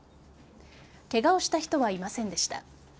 ケガをした人はいませんでした。